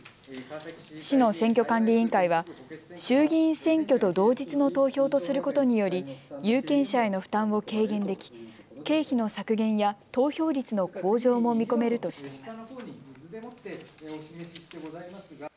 市の選挙管理委員会は衆議院選挙と同日の投票とすることにより有権者への負担を軽減でき経費の削減や投票率の向上も見込めるとしています。